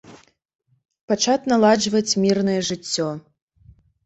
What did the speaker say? Пачаць наладжваць мірнае жыццё.